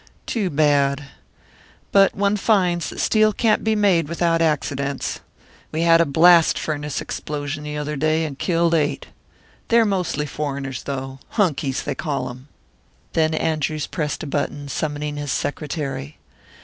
"Too bad. But one finds that steel can't be made without accidents. We had a blast furnace explosion the other day, and killed eight. They are mostly foreigners, though 'hunkies,' they call them." Then Andrews pressed a button, summoning his secretary.